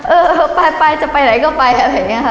เออไปไปจะไปไหนก็ไปอะไรอย่างนี้ค่ะ